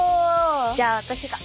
じゃあ私が。